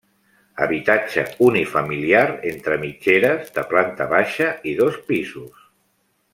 Habitatge unifamiliar entre mitgeres, de planta baixa i dos pisos.